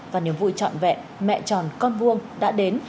và niềm vui trọn vẹn mẹ tròn con vuông đã đến